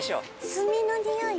炭のにおい。